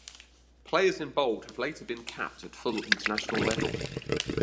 Players in bold have later been capped at full international level.